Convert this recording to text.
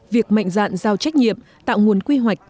việc mạnh dạn giao trách nhiệm tạo nguồn quy hoạch